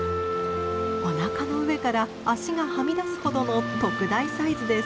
おなかの上から足がはみ出すほどの特大サイズです。